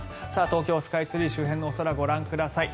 東京スカイツリー周辺のお空ご覧ください。